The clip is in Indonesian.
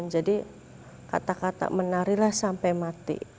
jadi kata kata menarilah sampai mati